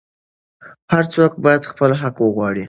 هر څوک باید خپل حق وغواړي.